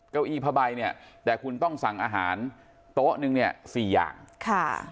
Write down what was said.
เก้าอี้ผ้าใบเนี่ยแต่คุณต้องสั่งอาหารโต๊ะหนึ่งเนี่ยสี่อย่างค่ะ